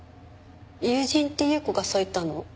友人って優子がそう言ったの？